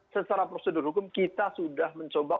secara prosedur hukum kita sudah mencoba